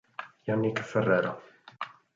Yannick Ferrera